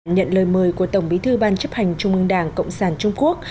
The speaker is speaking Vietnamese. nhận lời mời của tổng bí thư ban chấp hành trung ương đảng cộng sản trung quốc